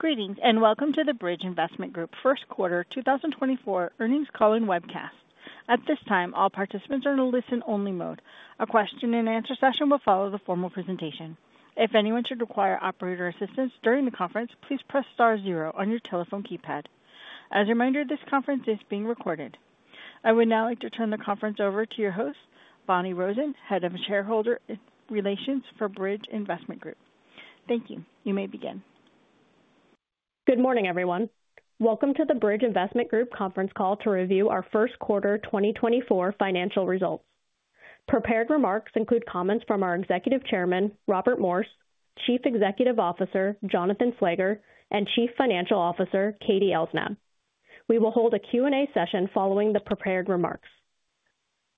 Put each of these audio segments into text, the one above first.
Greetings and welcome to the Bridge Investment Group first quarter 2024 earnings call and webcast. At this time, all participants are in a listen-only mode. A Q&A session will follow the formal presentation. If anyone should require operator assistance during the conference, please press star zero on your telephone keypad. As a reminder, this conference is being recorded. I would now like to turn the conference over to your host, Bonni Rosen, Head of Shareholder Relations for Bridge Investment Group. Thank you. You may begin. Good morning, everyone. Welcome to the Bridge Investment Group conference call to review our first quarter 2024 financial results. Prepared remarks include comments from our Executive Chairman, Robert Morse, Chief Executive Officer, Jonathan Slager, and Chief Financial Officer, Katie Elsnab. We will hold a Q&A session following the prepared remarks.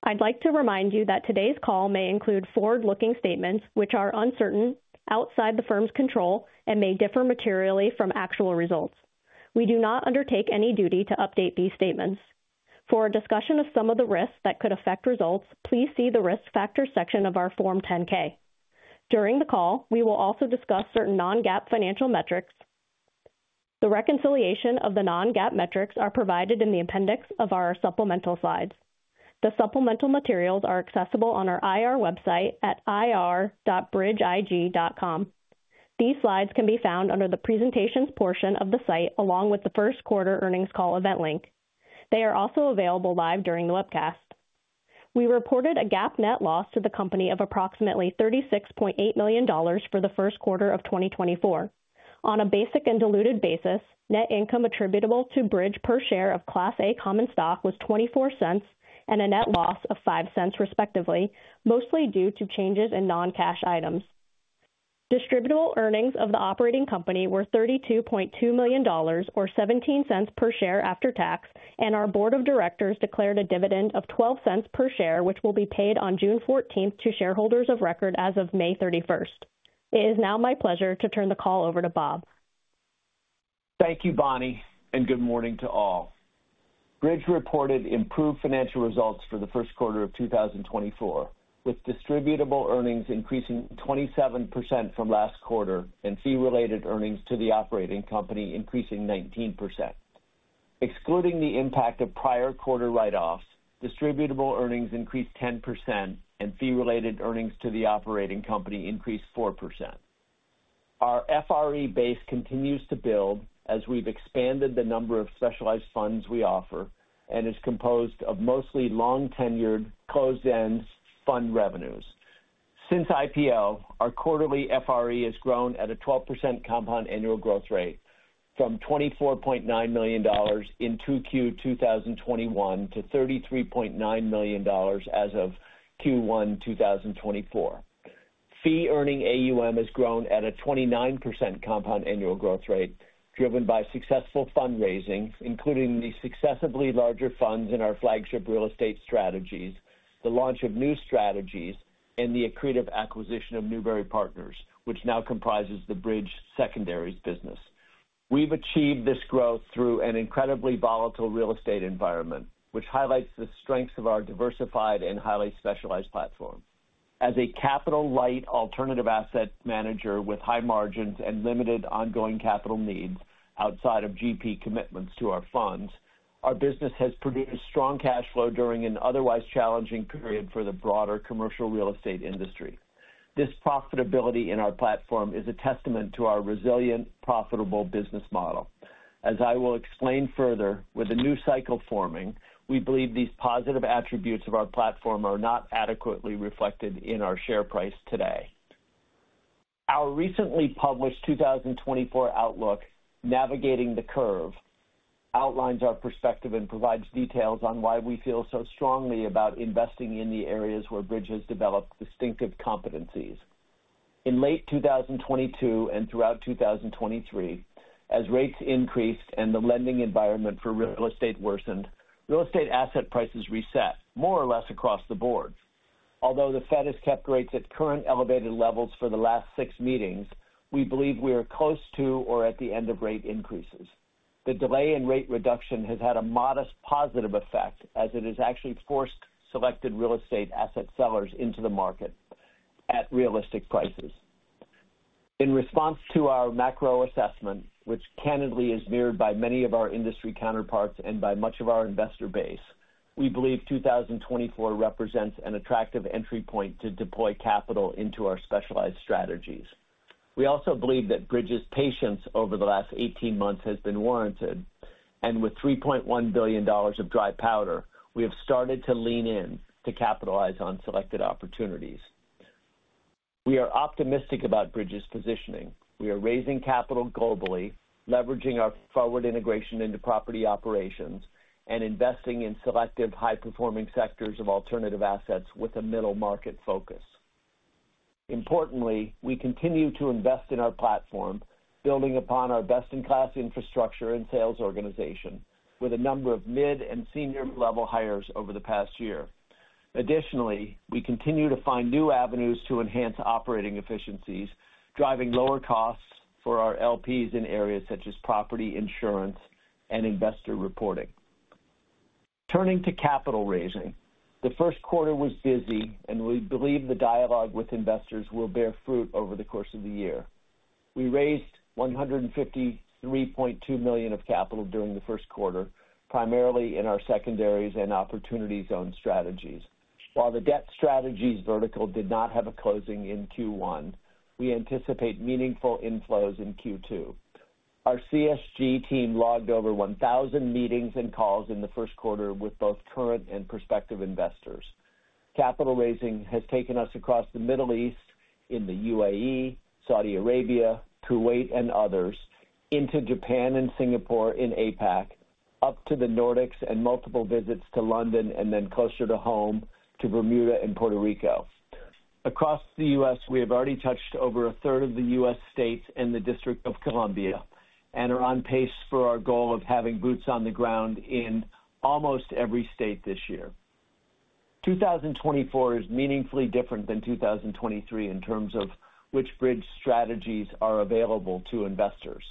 I'd like to remind you that today's call may include forward-looking statements which are uncertain, outside the firm's control, and may differ materially from actual results. We do not undertake any duty to update these statements. For a discussion of some of the risks that could affect results, please see the Risk Factors section of our Form 10-K. During the call, we will also discuss certain non-GAAP financial metrics. The reconciliation of the non-GAAP metrics are provided in the appendix of our supplemental slides. The supplemental materials are accessible on our IR website at ir.bridgeig.com. These slides can be found under the presentations portion of the site along with the first quarter earnings call event link. They are also available live during the webcast. We reported a GAAP net loss to the company of approximately $36.8 million for the first quarter of 2024. On a basic and diluted basis, net income attributable to Bridge per share of Class A common stock was $0.24 and a net loss of $0.05 respectively, mostly due to changes in non-cash items. Distributable earnings of the operating company were $32.2 million or $0.17 per share after tax, and our board of directors declared a dividend of $0.12 per share which will be paid on June 14th to shareholders of record as of May 31st. It is now my pleasure to turn the call over to Bob. Thank you, Bonni, and good morning to all. Bridge reported improved financial results for the first quarter of 2024, with distributable earnings increasing 27% from last quarter and fee-related earnings to the operating company increasing 19%. Excluding the impact of prior quarter write-offs, distributable earnings increased 10% and fee-related earnings to the operating company increased 4%. Our FRE base continues to build as we've expanded the number of specialized funds we offer and is composed of mostly long-tenured, closed-end fund revenues. Since IPO, our quarterly FRE has grown at a 12% compound annual growth rate from $24.9 million in Q2 2021 to $33.9 million as of Q1 2024. Fee-Earning AUM has grown at a 29% compound annual growth rate driven by successful fundraising, including the successively larger funds in our flagship real estate strategies, the launch of new strategies, and the accretive acquisition of Newbury Partners, which now comprises the Bridge Secondaries business. We've achieved this growth through an incredibly volatile real estate environment, which highlights the strengths of our diversified and highly specialized platform. As a capital-light alternative asset manager with high margins and limited ongoing capital needs outside of GP commitments to our funds, our business has produced strong cash flow during an otherwise challenging period for the broader commercial real estate industry. This profitability in our platform is a testament to our resilient, profitable business model. As I will explain further, with a new cycle forming, we believe these positive attributes of our platform are not adequately reflected in our share price today. Our recently published 2024 outlook, Navigating the Curve, outlines our perspective and provides details on why we feel so strongly about investing in the areas where Bridge has developed distinctive competencies. In late 2022 and throughout 2023, as rates increased and the lending environment for real estate worsened, real estate asset prices reset, more or less across the board. Although the Fed has kept rates at current elevated levels for the last six meetings, we believe we are close to or at the end of rate increases. The delay in rate reduction has had a modest positive effect as it has actually forced selected real estate asset sellers into the market at realistic prices. In response to our macro assessment, which candidly is mirrored by many of our industry counterparts and by much of our investor base, we believe 2024 represents an attractive entry point to deploy capital into our specialized strategies. We also believe that Bridge's patience over the last 18 months has been warranted, and with $3.1 billion of dry powder, we have started to lean in to capitalize on selected opportunities. We are optimistic about Bridge's positioning. We are raising capital globally, leveraging our forward integration into property operations, and investing in selective high-performing sectors of alternative assets with a middle market focus. Importantly, we continue to invest in our platform, building upon our best-in-class infrastructure and sales organization, with a number of mid and senior-level hires over the past year. Additionally, we continue to find new avenues to enhance operating efficiencies, driving lower costs for our LPs in areas such as property insurance and investor reporting. Turning to capital raising, the first quarter was busy, and we believe the dialogue with investors will bear fruit over the course of the year. We raised $153.2 million of capital during the first quarter, primarily in our Secondaries and Opportunity Zone strategies. While the Debt Strategies vertical did not have a closing in Q1, we anticipate meaningful inflows in Q2. Our CSG team logged over 1,000 meetings and calls in the first quarter with both current and prospective investors. Capital raising has taken us across the Middle East in the UAE, Saudi Arabia, Kuwait, and others, into Japan and Singapore in APAC, up to the Nordics and multiple visits to London and then closer to home to Bermuda and Puerto Rico. Across the U.S., we have already touched over a third of the U.S. states and the District of Columbia and are on pace for our goal of having boots on the ground in almost every state this year. 2024 is meaningfully different than 2023 in terms of which Bridge strategies are available to investors.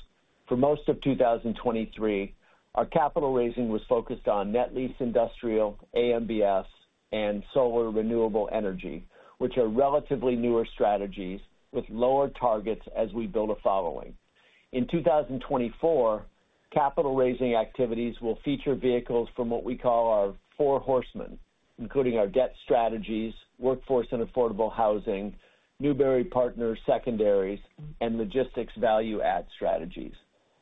For most of 2023, our capital raising was focused on Net Lease Industrial, AMBS, and solar renewable energy, which are relatively newer strategies with lower targets as we build a following. In 2024, capital raising activities will feature vehicles from what we call our four horsemen, including our Debt Strategies, Workforce and Affordable Housing, Newbury Partners Secondaries, and Logistics Value-Add strategies.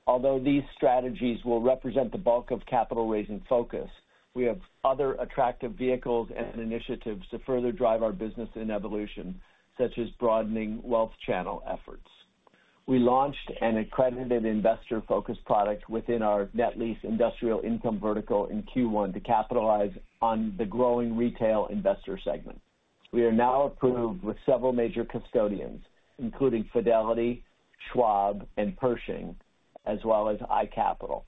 Although these strategies will represent the bulk of capital raising focus, we have other attractive vehicles and initiatives to further drive our business in evolution, such as broadening wealth channel efforts. We launched an accredited investor-focused product within our Net Lease Industrial Income vertical in Q1 to capitalize on the growing retail investor segment. We are now approved with several major custodians, including Fidelity, Schwab, and Pershing, as well as iCapital.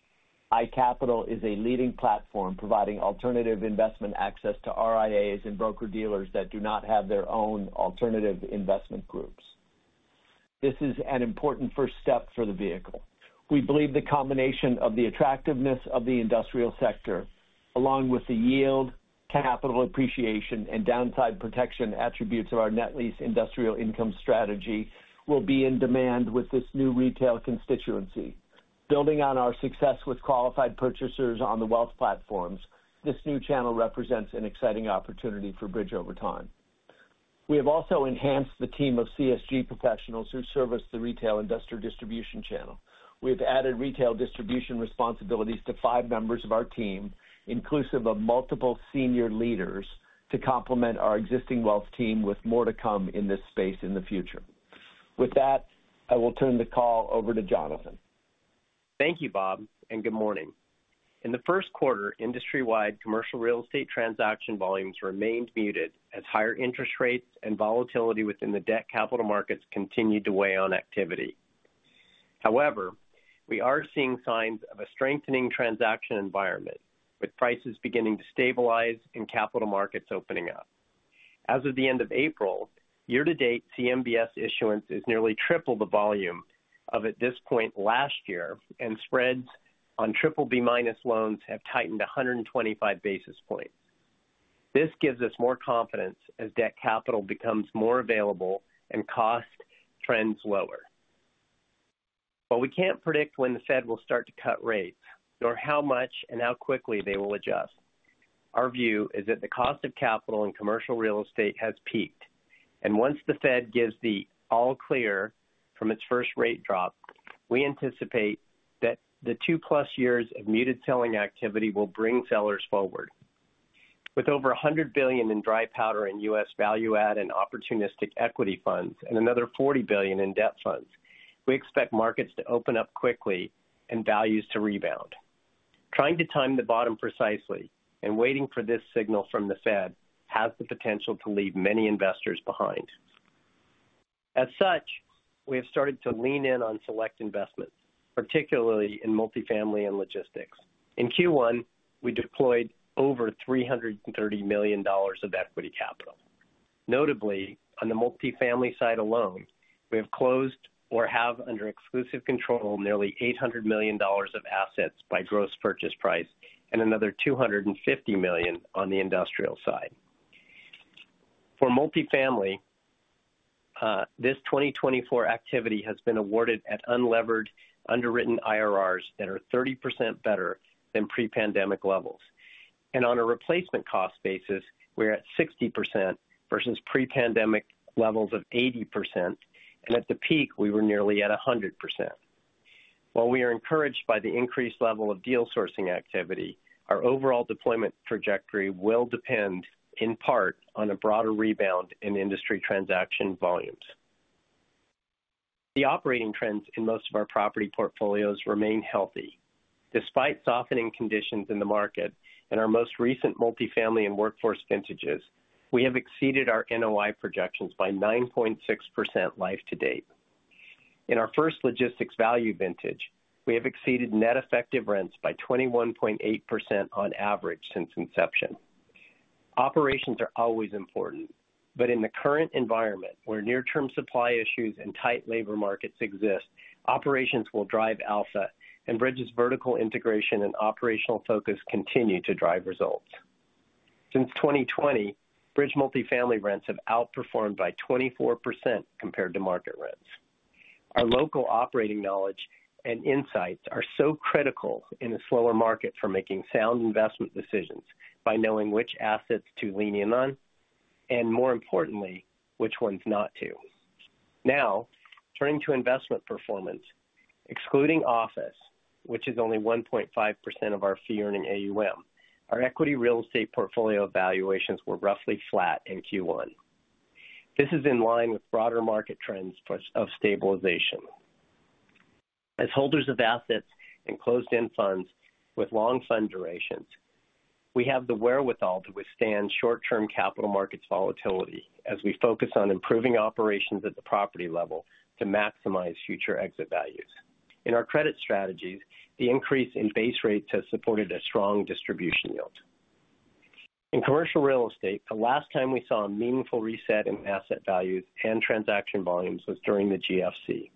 iCapital is a leading platform providing alternative investment access to RIAs and broker-dealers that do not have their own alternative investment groups. This is an important first step for the vehicle. We believe the combination of the attractiveness of the industrial sector, along with the yield, capital appreciation, and downside protection attributes of our Net Lease Industrial Income strategy, will be in demand with this new retail constituency. Building on our success with qualified purchasers on the wealth platforms, this new channel represents an exciting opportunity for Bridge over time. We have also enhanced the team of CSG professionals who service the retail industry distribution channel. We have added retail distribution responsibilities to five members of our team, inclusive of multiple senior leaders, to complement our existing wealth team with more to come in this space in the future. With that, I will turn the call over to Jonathan. Thank you, Bob, and good morning. In the first quarter, industry-wide commercial real estate transaction volumes remained muted as higher interest rates and volatility within the debt capital markets continued to weigh on activity. However, we are seeing signs of a strengthening transaction environment, with prices beginning to stabilize and capital markets opening up. As of the end of April, year-to-date, CMBS issuance is nearly triple the volume of at this point last year, and spreads on BBB- loans have tightened 125 basis points. This gives us more confidence as debt capital becomes more available and cost trends lower. While we can't predict when the Fed will start to cut rates nor how much and how quickly they will adjust, our view is that the cost of capital in commercial real estate has peaked, and once the Fed gives the all-clear from its first rate drop, we anticipate that the 2+ years of muted selling activity will bring sellers forward. With over $100 billion in dry powder in U.S. value-add and opportunistic equity funds and another $40 billion in debt funds, we expect markets to open up quickly and values to rebound. Trying to time the bottom precisely and waiting for this signal from the Fed has the potential to leave many investors behind. As such, we have started to lean in on select investments, particularly in multifamily and logistics. In Q1, we deployed over $330 million of equity capital. Notably, on the multifamily side alone, we have closed or have under exclusive control nearly $800 million of assets by gross purchase price and another $250 million on the industrial side. For multifamily, this 2024 activity has been awarded at unlevered, underwritten IRRs that are 30% better than pre-pandemic levels. On a replacement cost basis, we're at 60% versus pre-pandemic levels of 80%, and at the peak, we were nearly at 100%. While we are encouraged by the increased level of deal-sourcing activity, our overall deployment trajectory will depend in part on a broader rebound in industry transaction volumes. The operating trends in most of our property portfolios remain healthy. Despite softening conditions in the market and our most recent multifamily and workforce vintages, we have exceeded our NOI projections by 9.6% life-to-date. In our first logistics value vintage, we have exceeded net effective rents by 21.8% on average since inception. Operations are always important, but in the current environment where near-term supply issues and tight labor markets exist, operations will drive alpha, and Bridge's vertical integration and operational focus continue to drive results. Since 2020, Bridge Multifamily rents have outperformed by 24% compared to market rents. Our local operating knowledge and insights are so critical in a slower market for making sound investment decisions by knowing which assets to lean in on and, more importantly, which ones not to. Now, turning to investment performance, excluding office, which is only 1.5% of our fee-earning AUM, our equity real estate portfolio evaluations were roughly flat in Q1. This is in line with broader market trends of stabilization. As holders of assets and closed-end funds with long fund durations, we have the wherewithal to withstand short-term capital markets volatility as we focus on improving operations at the property level to maximize future exit values. In our credit strategies, the increase in base rates has supported a strong distribution yield. In commercial real estate, the last time we saw a meaningful reset in asset values and transaction volumes was during the GFC.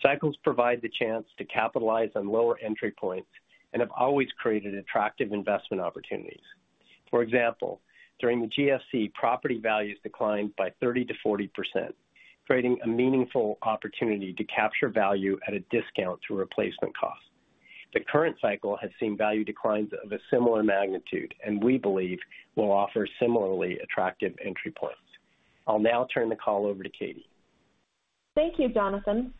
Cycles provide the chance to capitalize on lower entry points and have always created attractive investment opportunities. For example, during the GFC, property values declined by 30%-40%, creating a meaningful opportunity to capture value at a discount through replacement costs. The current cycle has seen value declines of a similar magnitude, and we believe will offer similarly attractive entry points. I'll now turn the call over to Katie. Thank you, Jonathan.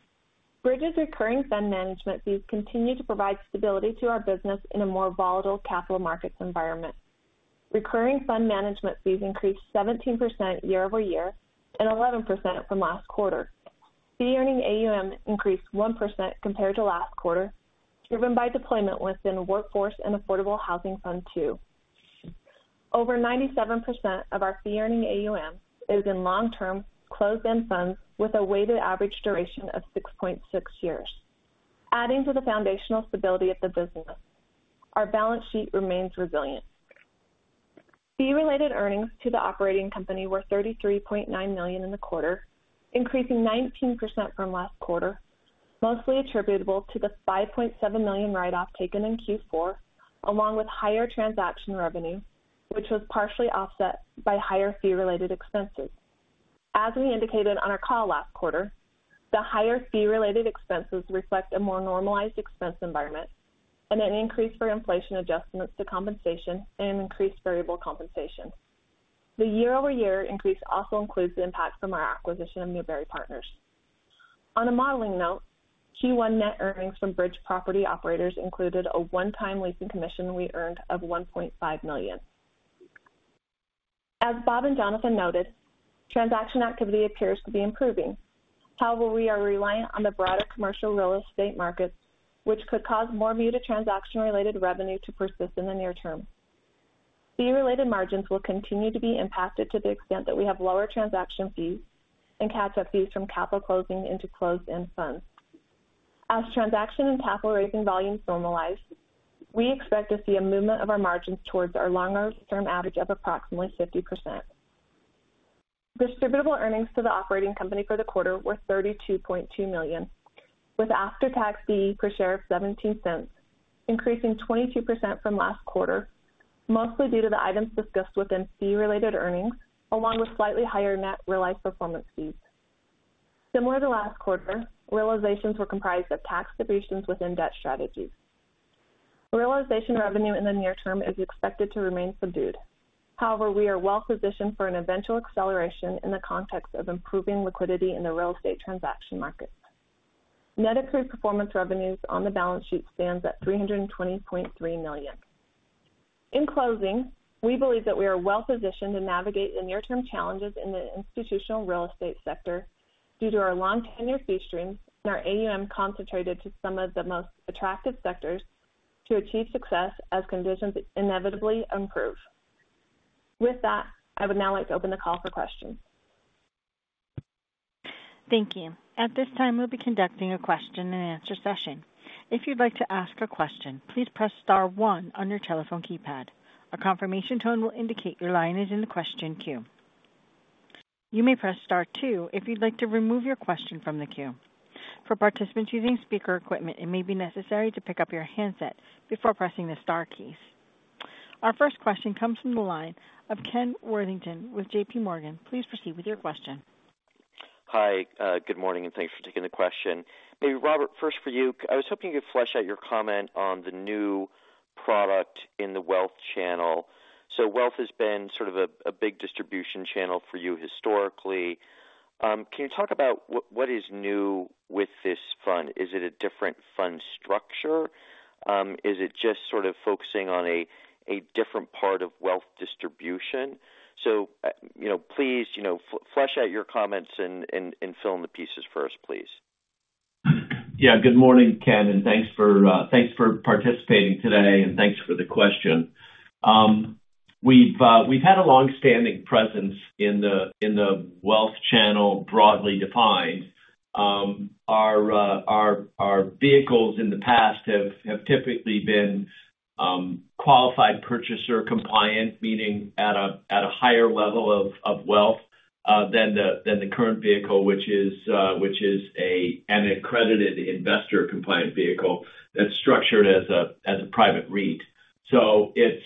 Bridge's recurring fund management fees continue to provide stability to our business in a more volatile capital markets environment. Recurring fund management fees increased 17% year-over-year and 11% from last quarter. Fee-earning AUM increased 1% compared to last quarter, driven by deployment within Workforce and Affordable Housing Fund II. Over 97% of our fee-earning AUM is in long-term closed-end funds with a weighted average duration of 6.6 years, adding to the foundational stability of the business. Our balance sheet remains resilient. Fee-related earnings to the operating company were $33.9 million in the quarter, increasing 19% from last quarter, mostly attributable to the $5.7 million write-off taken in Q4, along with higher transaction revenue, which was partially offset by higher fee-related expenses. As we indicated on our call last quarter, the higher fee-related expenses reflect a more normalized expense environment and an increase for inflation adjustments to compensation and increased variable compensation. The year-over-year increase also includes the impact from our acquisition of Newbury Partners. On a modeling note, Q1 net earnings from Bridge Property Operators included a one-time leasing commission we earned of $1.5 million. As Bob and Jonathan noted, transaction activity appears to be improving. However, we are reliant on the broader commercial real estate markets, which could cause more muted transaction-related revenue to persist in the near term. Fee-related margins will continue to be impacted to the extent that we have lower transaction fees and catch-up fees from capital closing into closed-end funds. As transaction and capital raising volumes normalize, we expect to see a movement of our margins towards our longer-term average of approximately 50%. Distributable earnings to the operating company for the quarter were $32.2 million, with after-tax fee per share of $0.17, increasing 22% from last quarter, mostly due to the items discussed within fee-related earnings, along with slightly higher net realized performance fees. Similar to last quarter, realizations were comprised of tax depreciations within Debt Strategies. Realization revenue in the near term is expected to remain subdued. However, we are well-positioned for an eventual acceleration in the context of improving liquidity in the real estate transaction markets. Net accrued performance revenues on the balance sheet stands at $320.3 million. In closing, we believe that we are well-positioned to navigate the near-term challenges in the institutional real estate sector due to our long-tenure fee streams and our AUM concentrated to some of the most attractive sectors to achieve success as conditions inevitably improve. With that, I would now like to open the call for questions. Thank you. At this time, we'll be conducting a Q&A session. If you'd like to ask a question, please press star one on your telephone keypad. A confirmation tone will indicate your line is in the question queue. You may press star two if you'd like to remove your question from the queue. For participants using speaker equipment, it may be necessary to pick up your handset before pressing the star keys. Our first question comes from the line of Ken Worthington with J.P. Morgan. Please proceed with your question. Hi. Good morning, and thanks for taking the question. Maybe, Robert, first for you. I was hoping you could flesh out your comment on the new product in the wealth channel. So wealth has been sort of a big distribution channel for you historically. Can you talk about what is new with this fund? Is it a different fund structure? Is it just sort of focusing on a different part of wealth distribution? So please flesh out your comments and fill in the pieces first, please. Yeah. Good morning, Ken, and thanks for participating today, and thanks for the question. We've had a longstanding presence in the wealth channel broadly defined. Our vehicles in the past have typically been qualified purchaser compliant, meaning at a higher level of wealth than the current vehicle, which is an accredited investor-compliant vehicle that's structured as a private REIT. So it's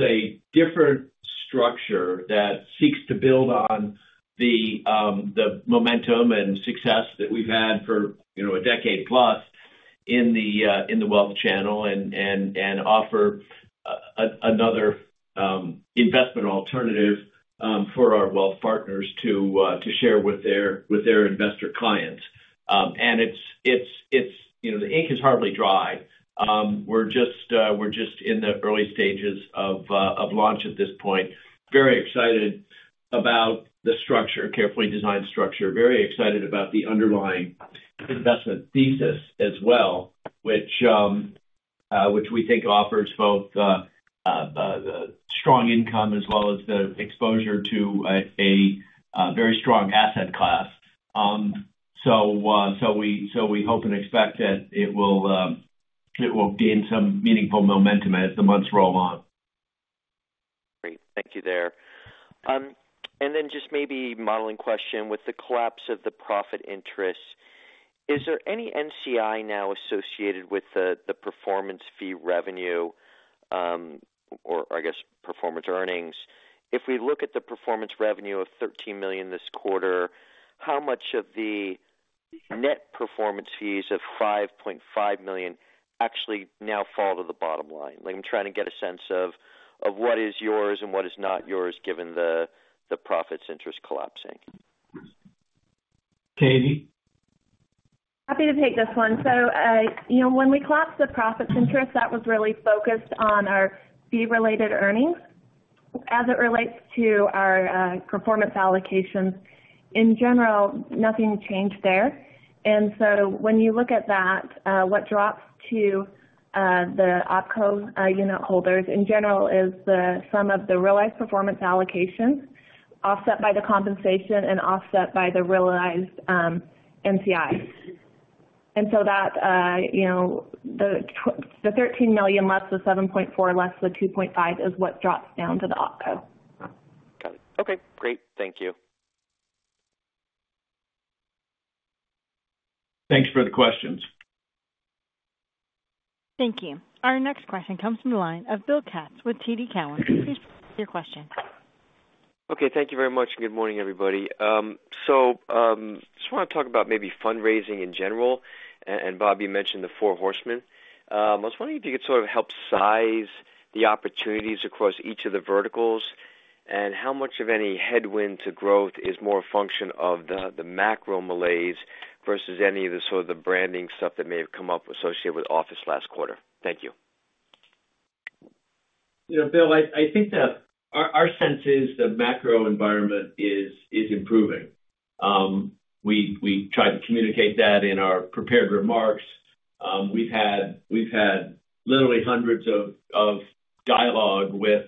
a different structure that seeks to build on the momentum and success that we've had for a decade-plus in the wealth channel and offer another investment alternative for our wealth partners to share with their investor clients. And the ink is hardly dry. We're just in the early stages of launch at this point. Very excited about the structure, carefully designed structure, very excited about the underlying investment thesis as well, which we think offers both strong income as well as the exposure to a very strong asset class. So we hope and expect that it will gain some meaningful momentum as the months roll on. Great. Thank you there. And then just maybe modeling question. With the collapse of the profit interest, is there any NCI now associated with the performance fee revenue or, I guess, performance earnings? If we look at the performance revenue of $13 million this quarter, how much of the net performance fees of $5.5 million actually now fall to the bottom line? I'm trying to get a sense of what is yours and what is not yours given the profits interest collapsing. Katie? Happy to take this one. So when we collapsed the profits interest, that was really focused on our fee-related earnings. As it relates to our performance allocations, in general, nothing changed there. And so when you look at that, what drops to the OpCo unit holders, in general, is the sum of the realized performance allocations offset by the compensation and offset by the realized NCI. And so the $13 million less the $7.4, less the $2.5 is what drops down to the OpCo. Got it. Okay. Great. Thank you. Thanks for the questions. Thank you. Our next question comes from the line of Bill Katz with TD Cowen. Please present your question. Okay. Thank you very much, and good morning, everybody. So I just want to talk about maybe fundraising in general. And Bob, you mentioned the four horsemen. I was wondering if you could sort of help size the opportunities across each of the verticals and how much, if any, headwind to growth is more a function of the macro malaise versus any of the sort of the branding stuff that may have come up associated with office last quarter? Thank you. Bill, I think that our sense is the macro environment is improving. We tried to communicate that in our prepared remarks. We've had literally hundreds of dialogue with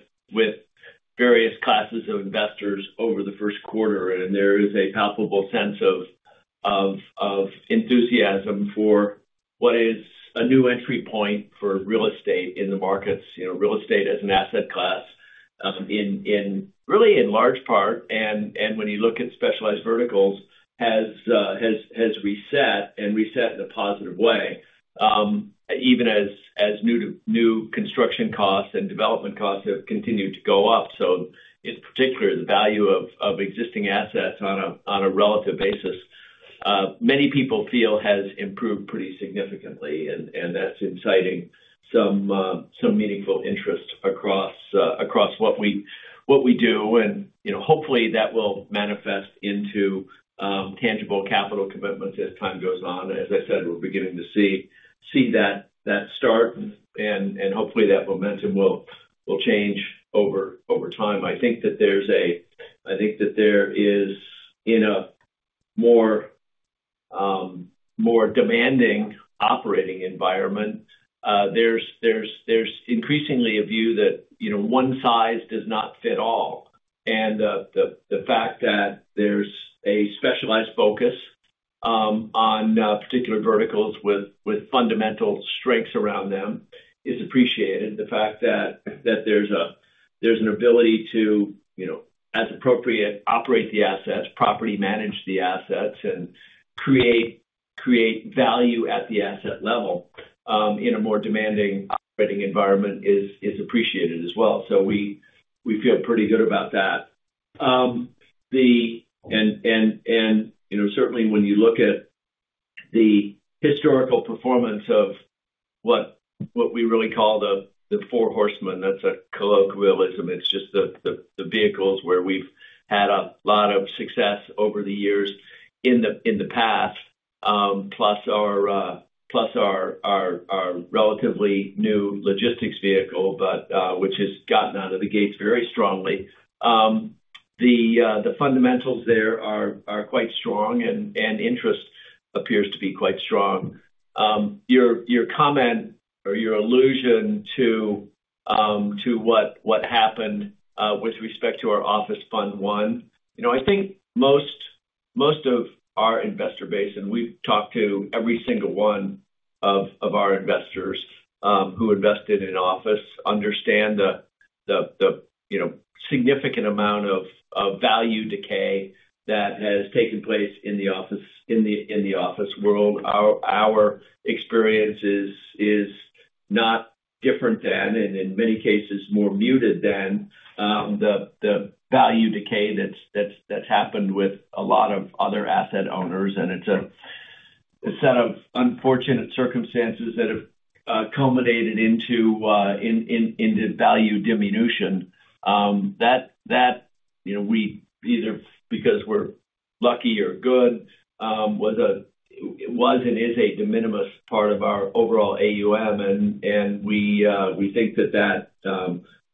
various classes of investors over the first quarter, and there is a palpable sense of enthusiasm for what is a new entry point for real estate in the markets. Real estate as an asset class, really in large part, and when you look at specialized verticals, has reset and reset in a positive way, even as new construction costs and development costs have continued to go up. So in particular, the value of existing assets on a relative basis, many people feel, has improved pretty significantly, and that's inciting some meaningful interest across what we do. And hopefully, that will manifest into tangible capital commitments as time goes on. As I said, we're beginning to see that start, and hopefully, that momentum will change over time. I think that there is, in a more demanding operating environment, there's increasingly a view that one size does not fit all. And the fact that there's a specialized focus on particular verticals with fundamental strengths around them is appreciated. The fact that there's an ability to, as appropriate, operate the assets, property manage the assets, and create value at the asset level in a more demanding operating environment is appreciated as well. So we feel pretty good about that. And certainly, when you look at the historical performance of what we really call the four horsemen, that's a colloquialism. It's just the vehicles where we've had a lot of success over the years in the past, plus our relatively new logistics vehicle, which has gotten out of the gates very strongly. The fundamentals there are quite strong, and interest appears to be quite strong. Your comment or your allusion to what happened with respect to our Office Fund I, I think most of our investor base (and we've talked to every single one of our investors who invested in office) understand the significant amount of value decay that has taken place in the office world. Our experience is not different than, and in many cases, more muted than, the value decay that's happened with a lot of other asset owners. It's a set of unfortunate circumstances that have culminated into value diminution that we, either because we're lucky or good, was and is a de minimis part of our overall AUM. We think that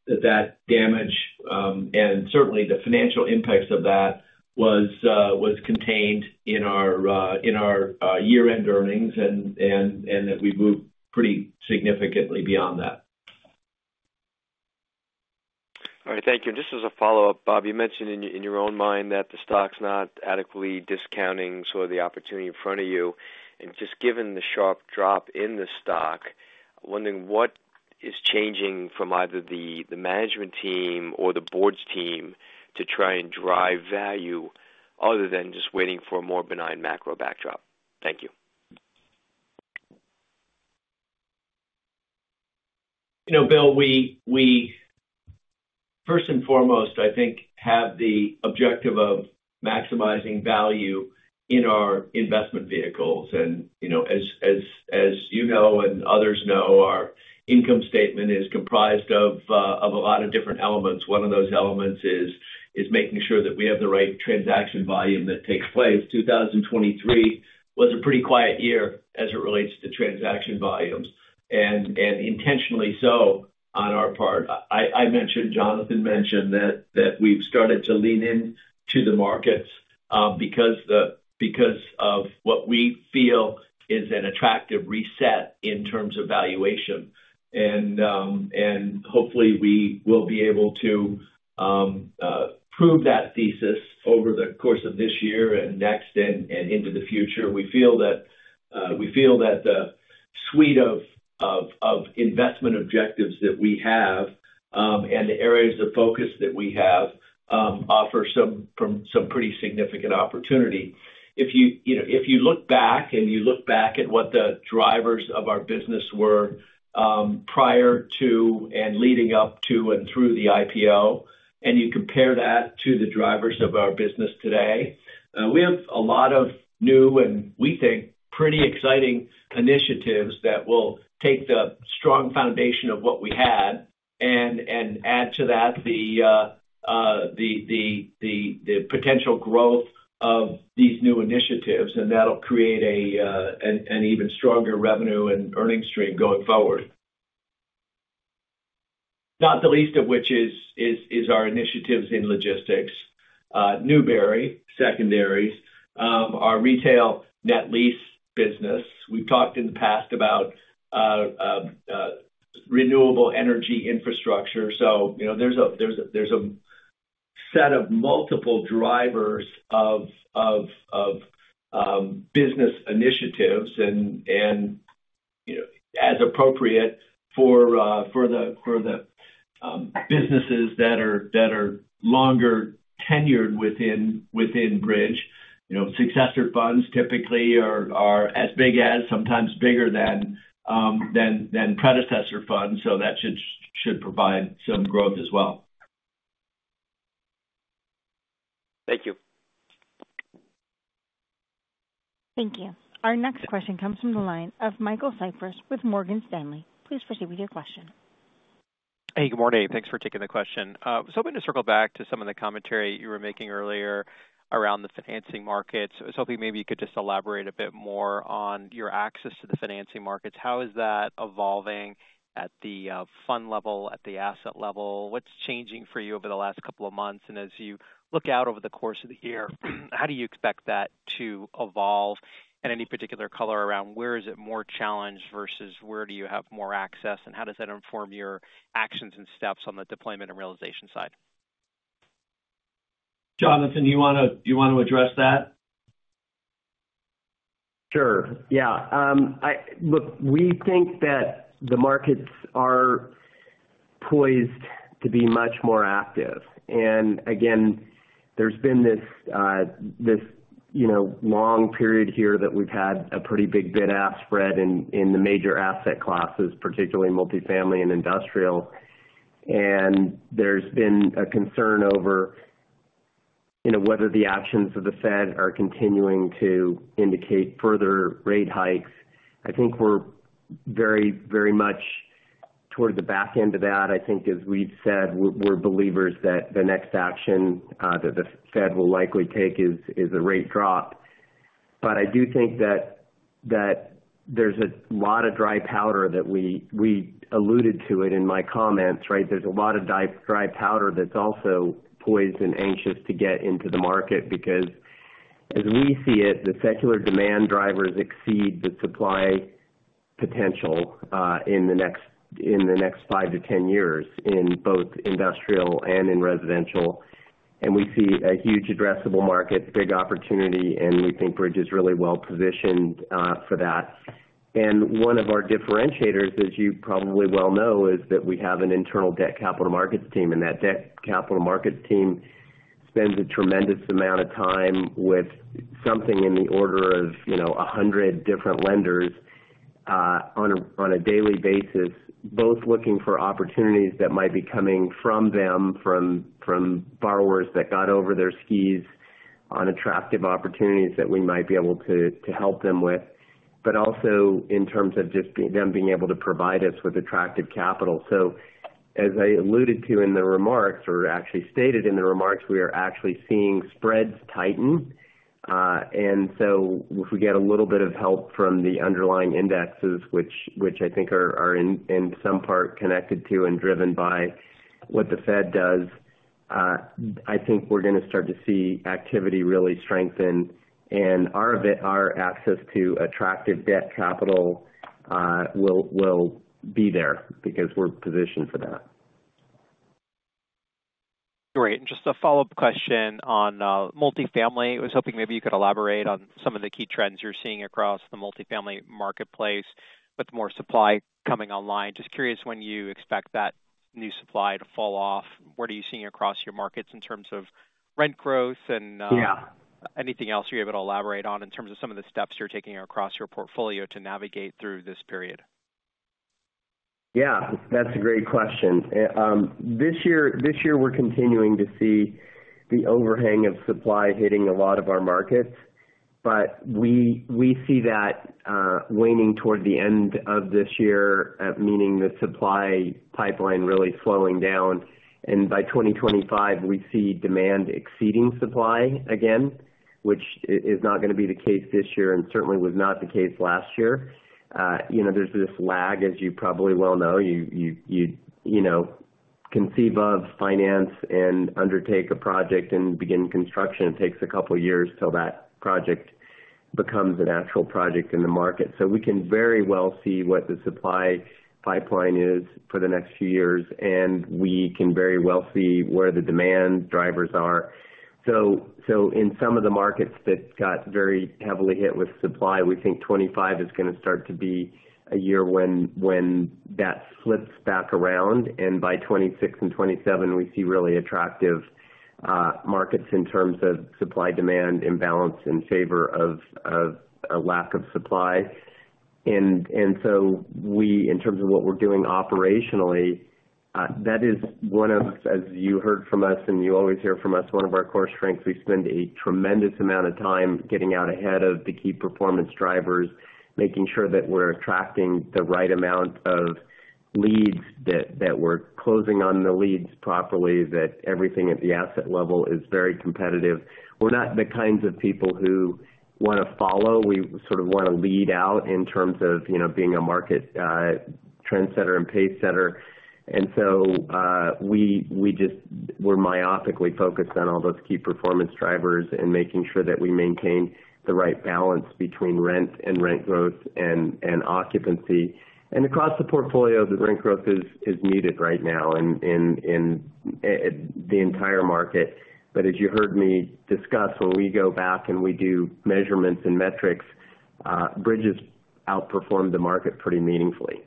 that damage and certainly the financial impacts of that was contained in our year-end earnings and that we've moved pretty significantly beyond that. All right. Thank you. And just as a follow-up, Bob, you mentioned in your own mind that the stock's not adequately discounting sort of the opportunity in front of you. And just given the sharp drop in the stock, I'm wondering what is changing from either the management team or the board's team to try and drive value other than just waiting for a more benign macro backdrop. Thank you. Bill, first and foremost, I think, have the objective of maximizing value in our investment vehicles. As you know and others know, our income statement is comprised of a lot of different elements. One of those elements is making sure that we have the right transaction volume that takes place. 2023 was a pretty quiet year as it relates to transaction volumes, and intentionally so on our part. Jonathan mentioned that we've started to lean into the markets because of what we feel is an attractive reset in terms of valuation. And hopefully, we will be able to prove that thesis over the course of this year and next and into the future. We feel that the suite of investment objectives that we have and the areas of focus that we have offer some pretty significant opportunity. If you look back and you look back at what the drivers of our business were prior to and leading up to and through the IPO, and you compare that to the drivers of our business today, we have a lot of new and, we think, pretty exciting initiatives that will take the strong foundation of what we had and add to that the potential growth of these new initiatives. And that'll create an even stronger revenue and earnings stream going forward, not the least of which is our initiatives in logistics, Newbury Secondaries, our retail net lease business. We've talked in the past about renewable energy infrastructure. So there's a set of multiple drivers of business initiatives and as appropriate for the businesses that are longer tenured within Bridge. Successor funds typically are as big as, sometimes bigger than predecessor funds. So that should provide some growth as well. Thank you. Thank you. Our next question comes from the line of Michael Cyprys with Morgan Stanley. Please proceed with your question. Hey. Good morning. Thanks for taking the question. So hoping to circle back to some of the commentary you were making earlier around the financing markets. I was hoping maybe you could just elaborate a bit more on your access to the financing markets. How is that evolving at the fund level, at the asset level? What's changing for you over the last couple of months? And as you look out over the course of the year, how do you expect that to evolve in any particular color around where is it more challenged versus where do you have more access? And how does that inform your actions and steps on the deployment and realization side? Jonathan, do you want to address that? Sure. Yeah. Look, we think that the markets are poised to be much more active. And again, there's been this long period here that we've had a pretty big bid-ask spread in the major asset classes, particularly multifamily and industrial. And there's been a concern over whether the actions of the Fed are continuing to indicate further rate hikes. I think we're very, very much toward the back end of that. I think, as we've said, we're believers that the next action that the Fed will likely take is a rate drop. But I do think that there's a lot of dry powder that we alluded to it in my comments, right? There's a lot of dry powder that's also poised and anxious to get into the market because, as we see it, the secular demand drivers exceed the supply potential in the next five-10 years in both industrial and in residential. We see a huge addressable market, big opportunity, and we think Bridge is really well positioned for that. One of our differentiators, as you probably well know, is that we have an internal debt capital markets team. That debt capital markets team spends a tremendous amount of time with something in the order of 100 different lenders on a daily basis, both looking for opportunities that might be coming from them, from borrowers that got over their skis on attractive opportunities that we might be able to help them with, but also in terms of just them being able to provide us with attractive capital. So as I alluded to in the remarks or actually stated in the remarks, we are actually seeing spreads tighten. And so if we get a little bit of help from the underlying indexes, which I think are in some part connected to and driven by what the Fed does, I think we're going to start to see activity really strengthen. And our access to attractive debt capital will be there because we're positioned for that. Great. Just a follow-up question on multifamily. I was hoping maybe you could elaborate on some of the key trends you're seeing across the multifamily marketplace with more supply coming online. Just curious when you expect that new supply to fall off. What are you seeing across your markets in terms of rent growth and anything else you're able to elaborate on in terms of some of the steps you're taking across your portfolio to navigate through this period? Yeah. That's a great question. This year, we're continuing to see the overhang of supply hitting a lot of our markets. But we see that waning toward the end of this year, meaning the supply pipeline really slowing down. And by 2025, we see demand exceeding supply again, which is not going to be the case this year and certainly was not the case last year. There's this lag, as you probably well know. You conceive of finance and undertake a project and begin construction. It takes a couple of years till that project becomes an actual project in the market. So we can very well see what the supply pipeline is for the next few years, and we can very well see where the demand drivers are. So in some of the markets that got very heavily hit with supply, we think 2025 is going to start to be a year when that flips back around. And by 2026 and 2027, we see really attractive markets in terms of supply-demand imbalance in favor of a lack of supply. And so in terms of what we're doing operationally, that is one of, as you heard from us and you always hear from us, one of our core strengths. We spend a tremendous amount of time getting out ahead of the key performance drivers, making sure that we're attracting the right amount of leads, that we're closing on the leads properly, that everything at the asset level is very competitive. We're not the kinds of people who want to follow. We sort of want to lead out in terms of being a market trendsetter and pace setter. We're myopically focused on all those key performance drivers and making sure that we maintain the right balance between rent and rent growth and occupancy. Across the portfolio, the rent growth is muted right now in the entire market. As you heard me discuss, when we go back and we do measurements and metrics, Bridge has outperformed the market pretty meaningfully.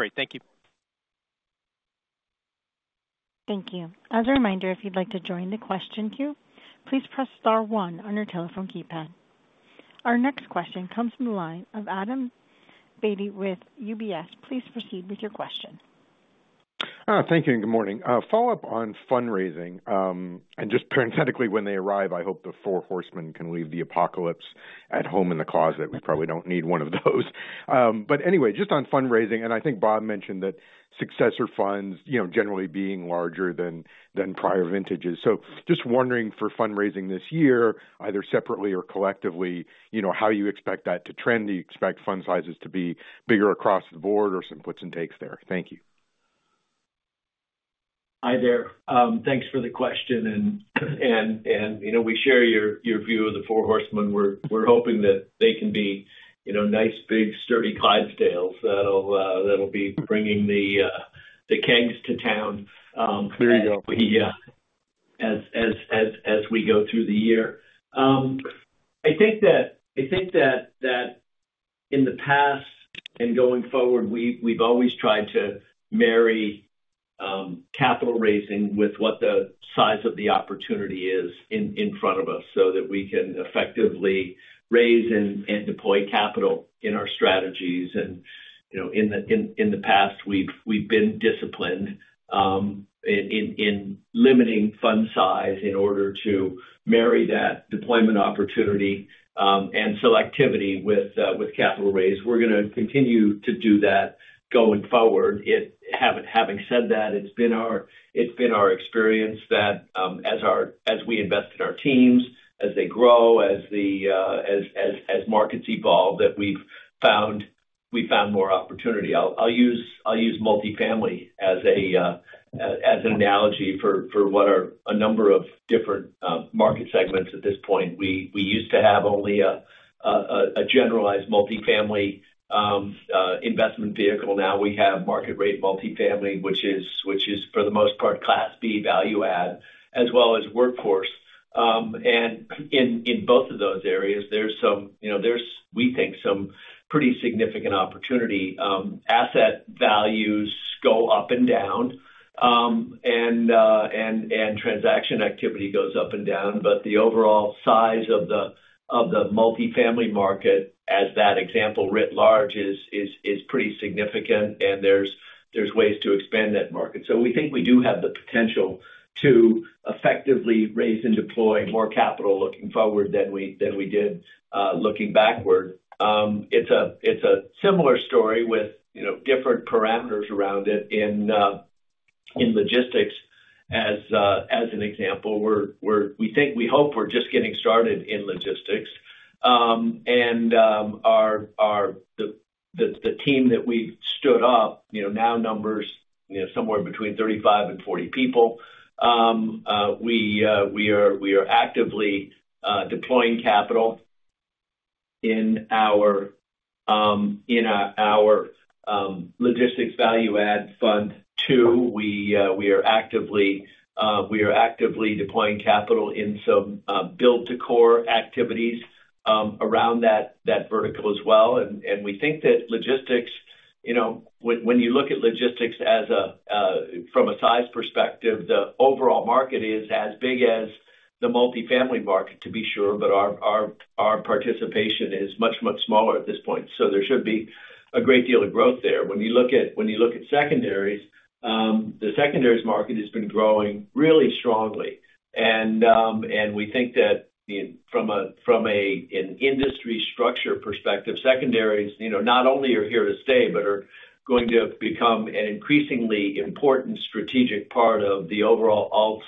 Great. Thank you. Thank you. As a reminder, if you'd like to join the question queue, please press star one on your telephone keypad. Our next question comes from the line of Adam Beatty with UBS. Please proceed with your question. Thank you and good morning. Follow-up on fundraising. And just parenthetically, when they arrive, I hope the four horsemen can leave the apocalypse at home in the closet. We probably don't need one of those. But anyway, just on fundraising. And I think Bob mentioned that successor funds generally being larger than prior vintages. So just wondering for fundraising this year, either separately or collectively, how you expect that to trend. Do you expect fund sizes to be bigger across the board or some puts and takes there? Thank you. Hi there. Thanks for the question. We share your view of the four horsemen. We're hoping that they can be nice, big, sturdy Clydesdales that'll be bringing the kegs to town. There you go. As we go through the year, I think that in the past and going forward, we've always tried to marry capital raising with what the size of the opportunity is in front of us so that we can effectively raise and deploy capital in our strategies. In the past, we've been disciplined in limiting fund size in order to marry that deployment opportunity and selectivity with capital raise. We're going to continue to do that going forward. Having said that, it's been our experience that as we invest in our teams, as they grow, as markets evolve, that we've found more opportunity. I'll use multifamily as an analogy for what a number of different market segments at this point. We used to have only a generalized multifamily investment vehicle. Now we have market-rate multifamily, which is for the most part Class B value add as well as workforce. In both of those areas, there's, we think, some pretty significant opportunity. Asset values go up and down, and transaction activity goes up and down. But the overall size of the multifamily market, as that example writ large, is pretty significant. And there's ways to expand that market. So we think we do have the potential to effectively raise and deploy more capital looking forward than we did looking backward. It's a similar story with different parameters around it. In logistics, as an example, we hope we're just getting started in logistics. And the team that we've stood up now numbers somewhere between 35 and 40 people. We are actively deploying capital in our Logistics Value-Add Fund II. We are actively deploying capital in some build-to-core activities around that vertical as well. And we think that logistics when you look at logistics from a size perspective, the overall market is as big as the multifamily market, to be sure. But our participation is much, much smaller at this point. So there should be a great deal of growth there. When you look at secondaries, the secondaries market has been growing really strongly. And we think that from an industry structure perspective, secondaries not only are here to stay but are going to become an increasingly important strategic part of the overall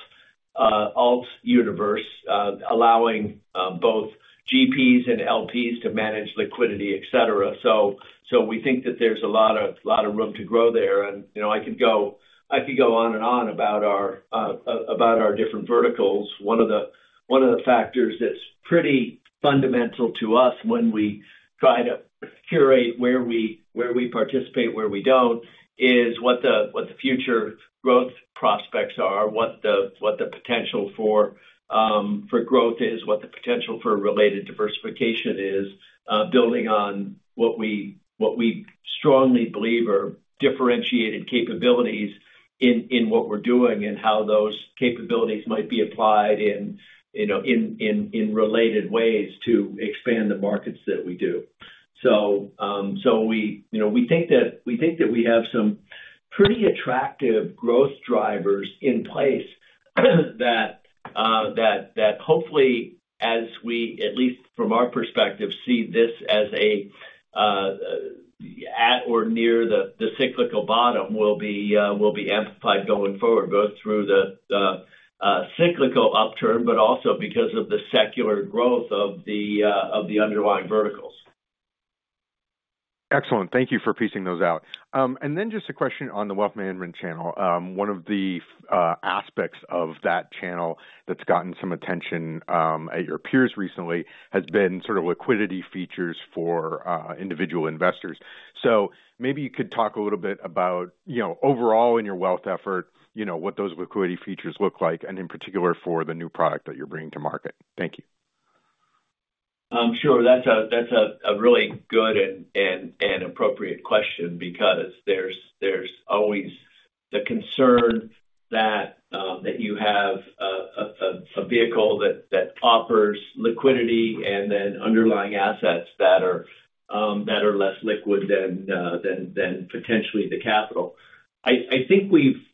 alts universe, allowing both GPs and LPs to manage liquidity, etc. So we think that there's a lot of room to grow there. And I could go on and on about our different verticals. One of the factors that's pretty fundamental to us when we try to curate where we participate, where we don't, is what the future growth prospects are, what the potential for growth is, what the potential for related diversification is, building on what we strongly believe are differentiated capabilities in what we're doing and how those capabilities might be applied in related ways to expand the markets that we do. So we think that we have some pretty attractive growth drivers in place that hopefully, as we at least from our perspective see this as at or near the cyclical bottom, will be amplified going forward, both through the cyclical upturn but also because of the secular growth of the underlying verticals. Excellent. Thank you for piecing those out. Then just a question on the wealth management channel. One of the aspects of that channel that's gotten some attention at your peers recently has been sort of liquidity features for individual investors. So maybe you could talk a little bit about overall in your wealth effort, what those liquidity features look like, and in particular for the new product that you're bringing to market. Thank you. Sure. That's a really good and appropriate question because there's always the concern that you have a vehicle that offers liquidity and then underlying assets that are less liquid than potentially the capital. I think we've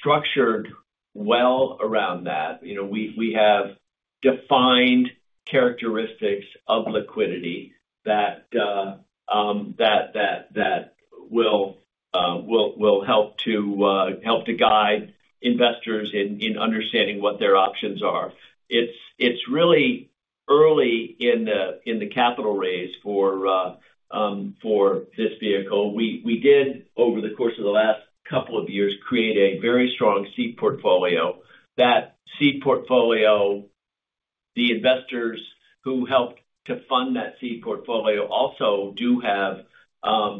structured well around that. We have defined characteristics of liquidity that will help to guide investors in understanding what their options are. It's really early in the capital raise for this vehicle. We did, over the course of the last couple of years, create a very strong seed portfolio. That seed portfolio, the investors who helped to fund that seed portfolio also do have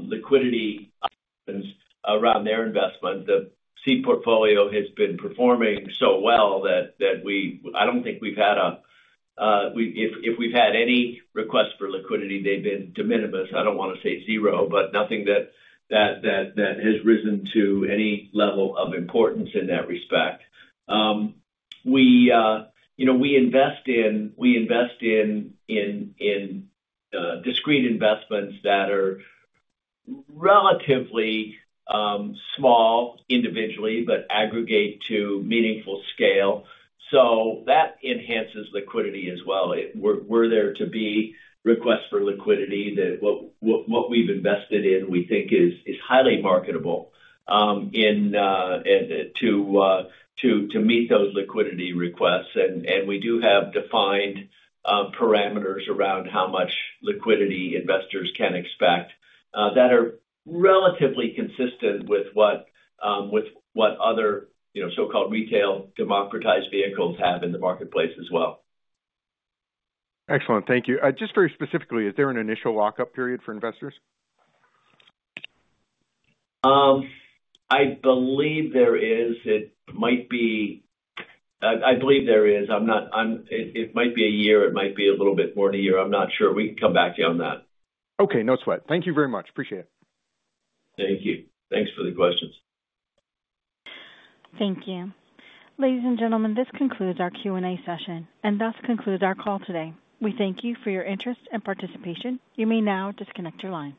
liquidity options around their investment. The seed portfolio has been performing so well that I don't think we've had—if we've had any request for liquidity, they've been de minimis. I don't want to say zero, but nothing that has risen to any level of importance in that respect. We invest in discrete investments that are relatively small individually but aggregate to meaningful scale. That enhances liquidity as well. We're there to be requests for liquidity that what we've invested in we think is highly marketable to meet those liquidity requests. We do have defined parameters around how much liquidity investors can expect that are relatively consistent with what other so-called retail democratized vehicles have in the marketplace as well. Excellent. Thank you. Just very specifically, is there an initial lockup period for investors? I believe there is. It might be a year. It might be a little bit more than a year. I'm not sure. We can come back to you on that. Okay. No sweat. Thank you very much. Appreciate it. Thank you. Thanks for the questions. Thank you. Ladies and gentlemen, this concludes our Q&A session, and thus concludes our call today. We thank you for your interest and participation. You may now disconnect your lines.